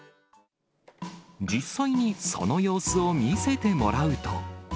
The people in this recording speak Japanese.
実際にその様子を見せてもらうと。